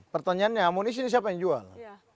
pertanyaannya amunisi ini siapa yang jual